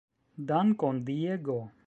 Dankon Diego!